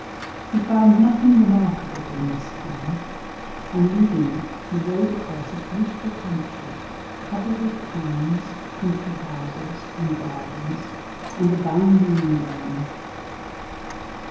He found nothing remarkable in this town, and leaving it he rode across a beautiful country, covered with towns, country houses, and gardens, and abounding in game.